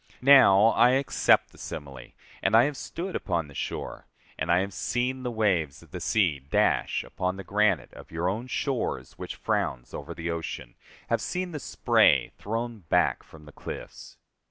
Now I accept the simile: and I have stood upon the shore, and I have seen the waves of the sea dash upon the granite of your own shores which frowns over the ocean, have seen the spray thrown back from the cliffs.